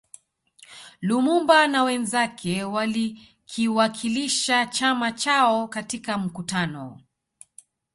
Lumumba na wenzake walikiwakilisha chama chao katika mkutano